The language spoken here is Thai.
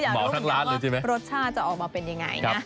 หมอทักล้านเลยจริงไหมอยากต้องคิดว่ารสชาติจะออกมาเป็นยังไงนะครับ